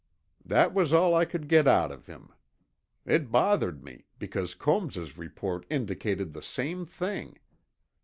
That was all I could get out of him. It bothered me, because Combs's report indicated the same thing.